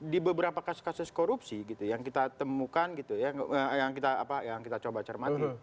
di beberapa kasus kasus korupsi gitu yang kita temukan gitu ya yang kita coba cermati